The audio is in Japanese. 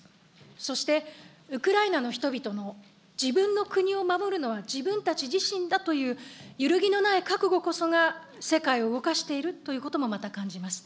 そしてウクライナの人々の自分の国を守るのは自分たち自身だという、揺るぎのない覚悟こそが、世界を動かしているということもまた感じます。